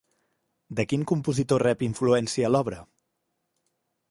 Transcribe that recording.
De quin compositor rep influència l'obra?